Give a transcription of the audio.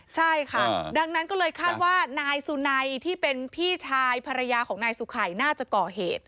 ใช่ค่ะดังนั้นก็เลยคาดว่านายสุนัยที่เป็นพี่ชายภรรยาของนายสุขัยน่าจะก่อเหตุ